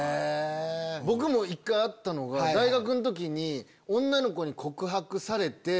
僕も１回あったのが大学の時に女の子に告白されて。